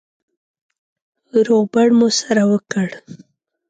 روغبړ مو سره وکړ.